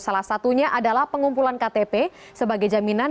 salah satunya adalah pengumpulan ktp sebagai jaminan